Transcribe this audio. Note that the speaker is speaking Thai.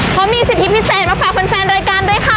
เพราะมีสิทธิพิเศษมาฝากแฟนรายการด้วยค่ะ